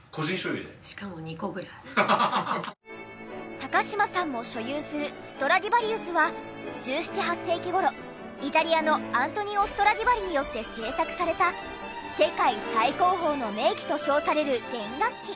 高嶋さんも所有するストラディバリウスは１７１８世紀頃イタリアのアントニオ・ストラディバリによって製作された世界最高峰の名器と称される弦楽器。